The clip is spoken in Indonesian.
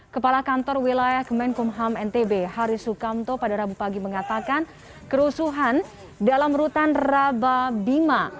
kepala kantor wilayah kemenkumham ntb haris sukamto pada rabu pagi mengatakan kerusuhan dalam rutan rababima